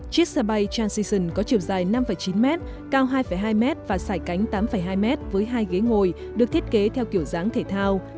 chiếc xe bay transition có chiều dài năm chín m cao hai hai m và sải cánh tám hai m với hai ghế ngồi được thiết kế theo kiểu dáng thể thao